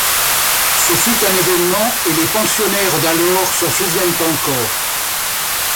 Ce fut un événement, et les pensionnaires d'alors s'en souviennent encore.